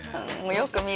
よく見る。